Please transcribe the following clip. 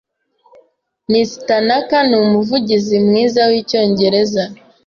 Miss Tanaka numuvugizi mwiza wicyongereza.